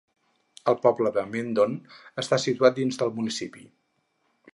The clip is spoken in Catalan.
El poble de Mendon està situat dins del municipi.